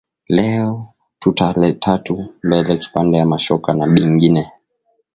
Leo tuta letatu mbele kipande ya ma shoka na bingine